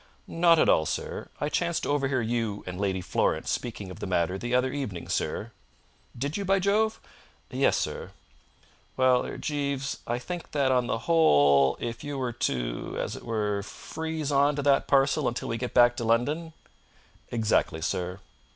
"Not at all, sir. I chanced to overhear you and Lady Florence speaking of the matter the other evening, sir." "Did you, by Jove?" "Yes, sir." "Well er Jeeves, I think that, on the whole, if you were to as it were freeze on to that parcel until we get back to London " "Exactly, sir."